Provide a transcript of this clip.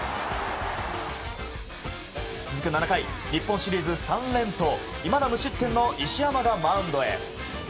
続く７回日本シリーズ３連投いまだ無失点の石山がマウンドへ。